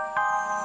aku mau ke rumah